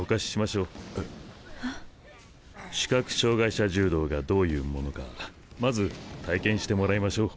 視覚障害者柔道がどういうものかまず体験してもらいましょう。